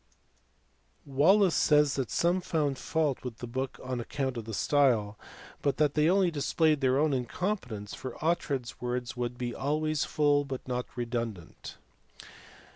Wallis says that some found fault with the book on account of the style, but that they only displayed their own incompetence, for Oughtred s " words be always full but not redundant.